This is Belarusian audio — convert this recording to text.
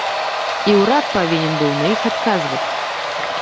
І ўрад павінен быў на іх адказваць.